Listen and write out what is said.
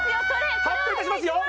発表いたしますよ